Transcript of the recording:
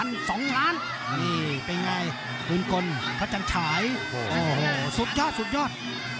นี่เป็นไงคุณกลพระจันฉายโอ้โหสุดยอดสุดยอด